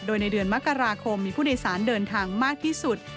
โดยในเดือนมกราคมมีผู้โดยสารเดินทางมากที่สุด